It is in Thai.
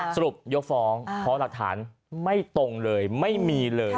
สรุปยกฟ้องเพราะหลักฐานไม่ตรงเลยไม่มีเลย